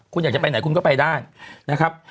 คุณอยากจะไปไหนคุณก็ไปได้นะครับ